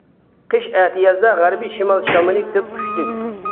قىش ئەتىيازدا غەربىي شىمال شامىلى كۆپ، كۈچلۈك.